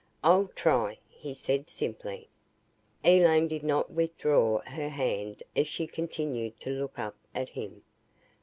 "I'll try," he said simply. Elaine did not withdraw her hand as she continued to look up at him.